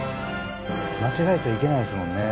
間違えちゃいけないですもんね。